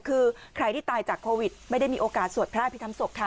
คือใครที่ตายจากโควิดไม่ได้มีโอกาสสวดพระอภิษฐรรศพค่ะ